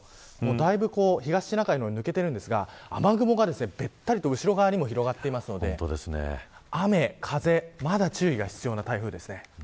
だいぶ東シナ海に抜けていますが雨雲がべったりと後ろ側にも広がっていますので雨風まだ注意が必要な台風です。